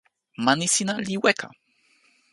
mani sina li weka.